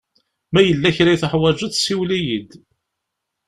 Ma yella kra i tuḥwaǧeḍ siwel-iyi-d.